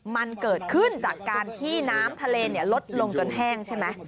มันเกิดขึ้นจากการที่น้ำทะเลลดลงจนแห้งใช่ไหม